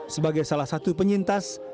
sebagai salah satu penyintas